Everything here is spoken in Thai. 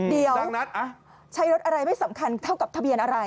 ดังนั้นใช้รถอะไรไม่สำคัญเท่ากับทะเบียนอะไร